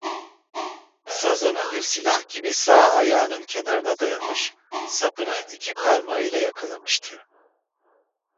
Sazını bir silah gibi sağ ayağının kenarına dayamış, sapını iki parmağıyla yakalamıştı.